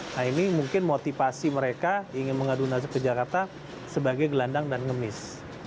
nah ini mungkin motivasi mereka ingin mengadu nasib ke jakarta sebagai gelandang dan ngemis